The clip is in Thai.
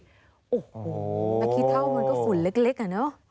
นักขี้เท่ามันก็ฝุ่นเล็กอะเนอะ